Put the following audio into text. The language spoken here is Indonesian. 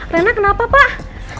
rena kenapa pak